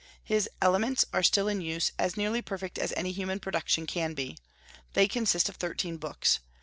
His "Elements" are still in use, as nearly perfect as any human production can be. They consist of thirteen books.